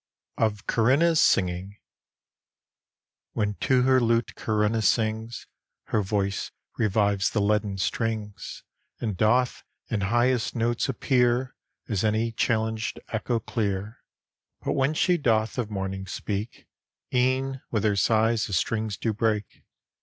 OF CORINNA'S SINGING When to her lute Corinna sings, Her voice revives the leaden strings, And doth in highest notes appear As any challenged echo clear. But when she doth of mourning speak, E'en with her sighs the strings do break.